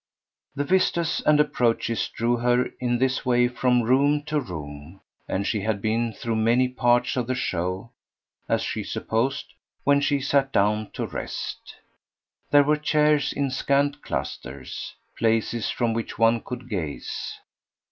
The vistas and approaches drew her in this way from room to room, and she had been through many parts of the show, as she supposed, when she sat down to rest. There were chairs in scant clusters, places from which one could gaze.